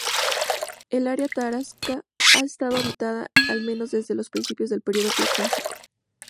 El área tarasca ha estado habitada al menos desde principios del período Preclásico.